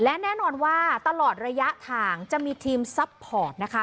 และแน่นอนว่าตลอดระยะทางจะมีทีมซัพพอร์ตนะคะ